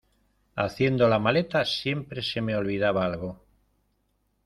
Haciendo la maleta, siempre se me olvida algo.